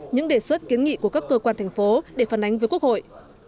những đề xuất kiến nghị của các cơ quan thành phố để phân ánh với quốc hội